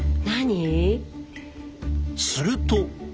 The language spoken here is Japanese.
すると。